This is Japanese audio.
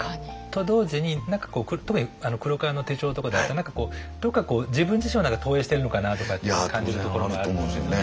と同時に特に「黒革の手帖」とかだとどこかこう自分自身を投影してるのかなとかって感じるところもあるんですよね。